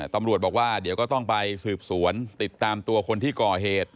ตำรวจบอกว่าเดี๋ยวก็ต้องไปสืบสวนติดตามตัวคนที่ก่อเหตุ